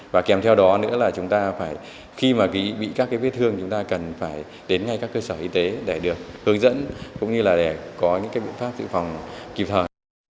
và kèm theo đó nữa là khi bị các vết thương chúng ta cần phải đến ngay các cơ sở y tế để được hướng dẫn cũng như là để có những biện pháp tự phòng kịp thời